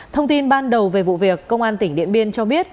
thông tin ban đầu về vụ việc công an tỉnh điện biên cho biết